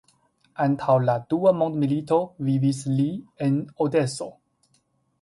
Antaŭ la Dua mondmilito vivis li en Odeso.